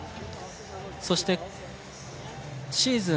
そしてシーズン